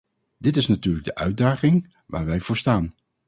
Dit is natuurlijk de uitdaging waar wij voor staan.